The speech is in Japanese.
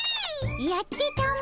やってたも。